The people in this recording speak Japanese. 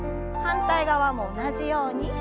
反対側も同じように。